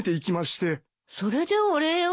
それでお礼を？